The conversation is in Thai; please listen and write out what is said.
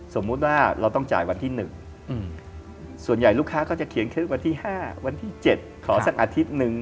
สมมุติว่าเราต้องจ่ายวันที่๑ส่วนใหญ่ลูกค้าก็จะเขียนคลิปวันที่๕วันที่๗ขอสักอาทิตย์หนึ่ง